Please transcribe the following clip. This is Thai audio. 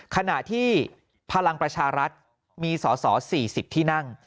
ขณะที่พลังประชารัฐมีสอสอ๔๐ที่นั่ง